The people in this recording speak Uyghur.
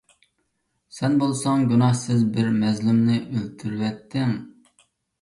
سەن بولساڭ گۇناھسىز بىر مەزلۇمنى ئۆلتۈرۈۋەتتىڭ.